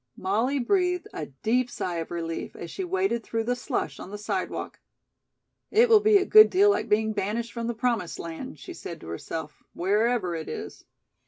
Molly breathed a deep sigh of relief as she waded through the slush on the sidewalk. "It will be a good deal like being banished from the promised land," she said to herself, "wherever it is."